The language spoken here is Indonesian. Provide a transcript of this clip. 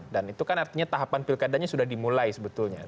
dan itu kan artinya tahapan pilkadanya sudah dimulai sebetulnya